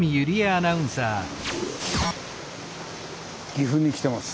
岐阜に来てます。